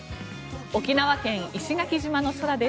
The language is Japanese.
沖縄県・石垣島の空です。